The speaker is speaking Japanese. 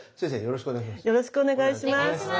よろしくお願いします。